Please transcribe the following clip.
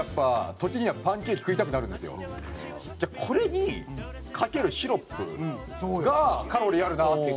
じゃあこれにかけるシロップがカロリーあるなって。